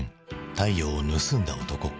「太陽を盗んだ男」。